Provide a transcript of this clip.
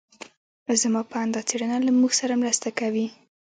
زما په اند دا څېړنه له موږ سره مرسته کوي.